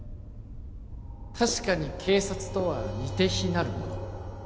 確かに警察とは似て非なるもの